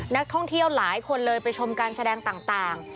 นักท่องเที่ยวหลายคนเลยไปชมการแสดงต่าง